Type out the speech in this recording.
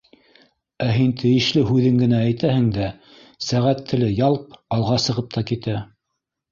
Ә һин тейешле һүҙен генә әйтәһең дә сәғәт теле —ялп —алға сығып та китә!